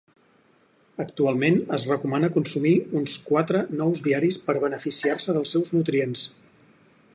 Actualment, es recomana consumir uns quatre nous diaris per beneficiar-se dels seus nutrients.